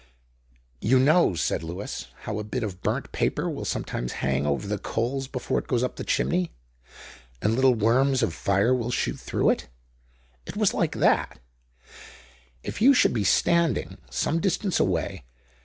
"You know," said Lewis, "how a bit of burnt paper will sometimes hang over the coals before it goes up the chimney, and little worms of fire will shoot through it. It was like that, if you should be standing some distance away.